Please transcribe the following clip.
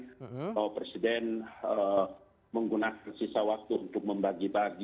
bahwa presiden menggunakan sisa waktu untuk membagi bagi